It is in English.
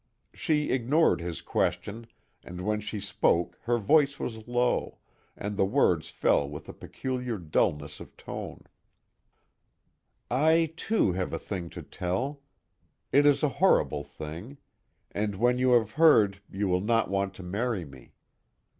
She ignored his question, and when she spoke her voice was low, and the words fell with a peculiar dullness of tone: "I, too, have a thing to tell. It is a horrible thing. And when you have heard you will not want to marry me."